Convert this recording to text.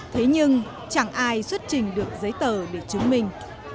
thế nhưng chẳng ai xuất trình được giấy tờ để chứng minh